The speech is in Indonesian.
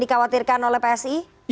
dikhawatirkan oleh psi akan dipakai